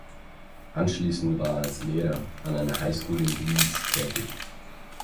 Anschließend war er als Lehrer an einer High School in Leeds tätig.